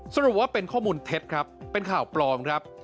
สรุปว่าเป็นข้อมูลเท็จครับเป็นข่าวปลอมครับ